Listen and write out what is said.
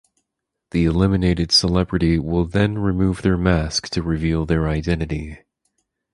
The eliminated celebrity will then remove their mask to reveal their identity.